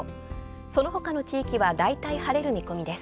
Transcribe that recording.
そのほかの地域は、だいたい晴れる見込みです。